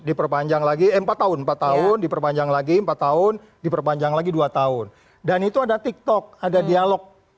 diperpanjang lagi eh empat tahun empat tahun diperpanjang lagi empat tahun diperpanjang lagi dua tahun dan itu ada tiktok ada dialog